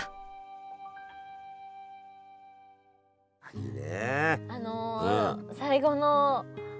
いいね。